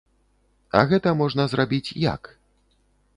А гэта можна зрабіць як?